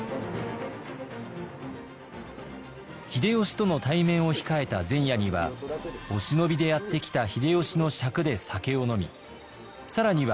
秀吉との対面を控えた前夜にはお忍びでやって来た秀吉の酌で酒を飲み更には秀吉の弟秀長と同じ正三位権